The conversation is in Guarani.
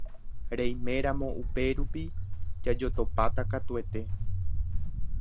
Reiméramo upérupi jajotopáta katuete.